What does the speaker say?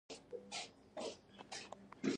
شمه بارقه په پارسي ژبه لیکل شوې ده.